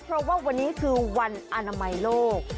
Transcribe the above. เพราะว่าวันนี้คือวันอนามัยโลก